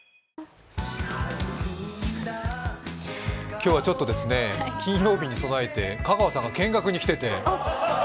今日は金曜日に備えて香川さんが見学に来てて。